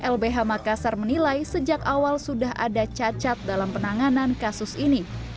lbh makassar menilai sejak awal sudah ada cacat dalam penanganan kasus ini